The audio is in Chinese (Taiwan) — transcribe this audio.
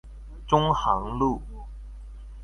中航路